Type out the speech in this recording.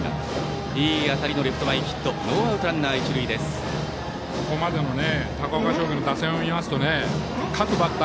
いい当たりのレフト前ヒット。